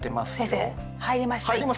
先生入りました一発で。